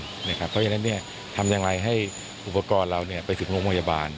ก็ให้ทรงยังไงทำให้อุปกรณ์เราไปถึงโรงพยาบาล